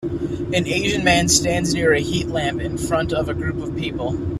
An Asian man stands near a heat lamp in front of a group of people.